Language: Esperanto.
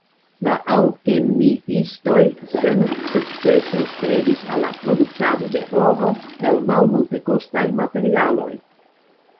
La alkemiistoj sensukcese strebis al la produktado de oro el malmultekostaj materialoj.